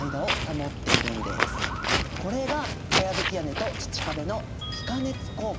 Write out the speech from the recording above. これがかやぶき屋根と土壁の気化熱効果！